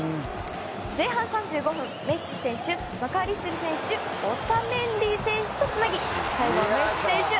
前半３５分メッシ選手、マクアリステル選手オタメンディ選手とつなぎ最後はメッシ選手。